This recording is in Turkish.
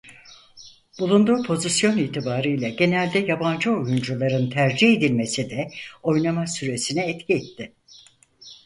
Bulunduğu pozisyon itibarıyla genelde yabancı oyuncuların tercih edilmesi de oynama süresine etki etti.